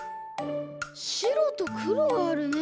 しろとくろがあるね！